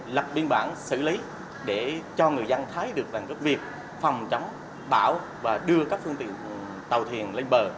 lập biên bản xử lý để cho người dân thấy được rằng việc phòng chống bão và đưa các phương tiện tàu thuyền lên bờ